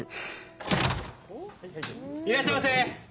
いらっしゃいませ！